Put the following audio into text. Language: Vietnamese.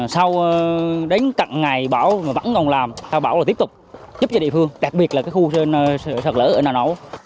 sau đến cặn ngày bão vẫn còn làm sau bão là tiếp tục giúp cho địa phương đặc biệt là khu sợt lỡ ở nà nỗ